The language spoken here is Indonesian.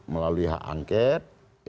melalui hak angket